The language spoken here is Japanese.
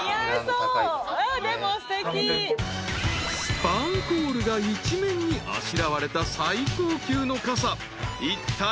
［スパンコールが一面にあしらわれた最高級の傘いったいお幾ら？］